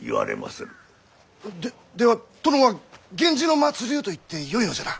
ででは殿は源氏の末流と言ってよいのじゃな？